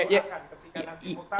ketika nanti mau tahu